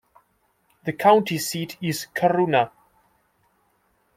The county seat is Corunna.